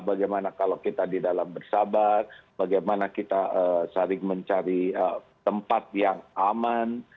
bagaimana kalau kita di dalam bersabar bagaimana kita saling mencari tempat yang aman